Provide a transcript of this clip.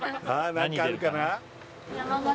何かあるかな山形